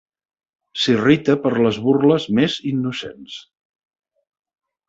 S'irrita per les burles més innocents.